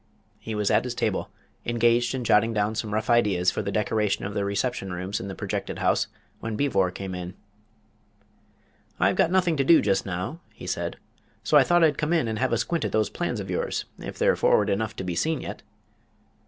He was at his table, engaged in jotting down some rough ideas for the decoration of the reception rooms in the projected house, when Beevor came in. "I've got nothing doing just now," he said; "so I thought I'd come in and have a squint at those plans of yours, if they're forward enough to be seen yet."